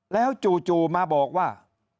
แล้วจู่มาบอกว่า